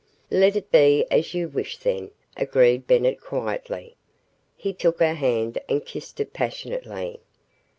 "Let it be as you wish, then," agreed Bennett quietly. He took her hand and kissed it passionately.